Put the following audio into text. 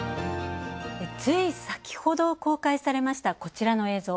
つい先ほど公開されましたこちらの映像。